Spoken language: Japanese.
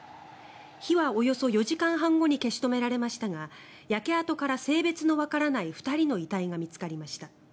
火はおよそ４時間半後に消し止められましたが焼け跡から性別のわからない２人の遺体が見つかりました。